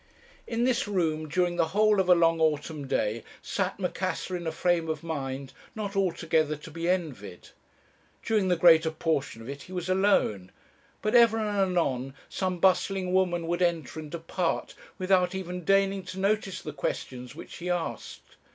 "In this room during the whole of a long autumn day sat Macassar in a frame of mind not altogether to be envied. During the greater portion of it he was alone; but ever and anon some bustling woman would enter and depart without even deigning to notice the questions which he asked.